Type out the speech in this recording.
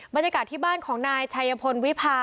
บรรยากาศที่บ้านของนายชัยพลวิพา